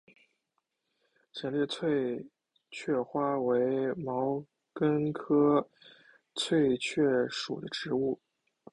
浅裂翠雀花为毛茛科翠雀属的植物。